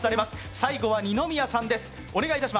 最後は二宮さんです。